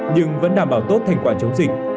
nhưng vẫn đảm bảo tốt thành quả chống dịch